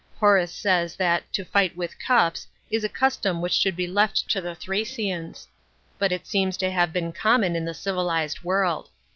Horace says that " to fight with cups" is a cist* m which should be left to the Thracians; § but it seems to have been common in the civilized world.